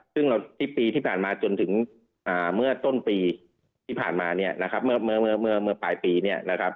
ซึ่งปีที่ผ่านมาจนถึงเมื่อต้นปีที่ผ่านมาเมื่อปลายปี